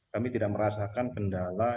kami tidak merasakan kendala